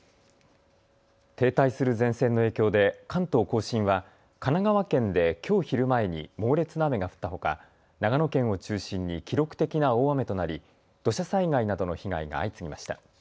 停滞する前線の影響で関東甲信は神奈川県できょう昼前に猛烈な雨が降ったほか長野県を中心に記録的な大雨となり土砂災害などの被害が相次ぎました。